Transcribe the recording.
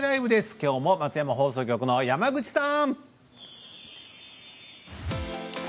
きょうも松山放送局の山口さん。